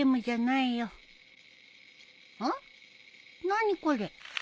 何これ。